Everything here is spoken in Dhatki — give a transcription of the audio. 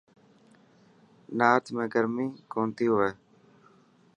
نارٿ ۾ گرمي ڪونٿي هئي.